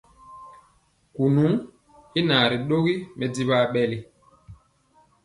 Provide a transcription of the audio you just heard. Kunu naa ri dɔgi mɛdivɔ aɓɛli.